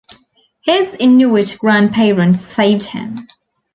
His Inuit grandparents saved him.